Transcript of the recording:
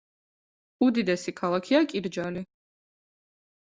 უდიდესი ქალაქია კირჯალი.